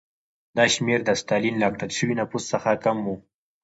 دا شمېر د ستالین له اټکل شوي نفوس څخه کم و.